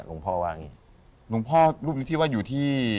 หลวงพ่อรูปนี้ที่ว่าอยู่ที่